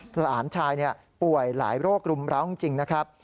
หลานชายป่วยหลายโรครุมร้าวจริงนะครับ